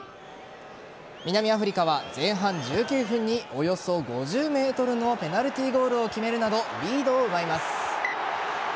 南アフリカは前半１９分におよそ５０ｍのペナルティーゴールを決めるなどリードを奪います。